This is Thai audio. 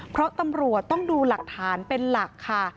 เพราะตำรวจต้องดูหลักฐานเป็นหลักค่ะ